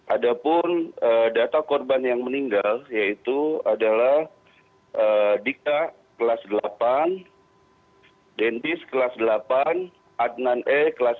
ada pun data korban yang meninggal yaitu adalah dika kelas delapan dendis kelas delapan adnan e kelas satu